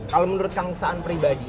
kalau menurut kang saan pribadi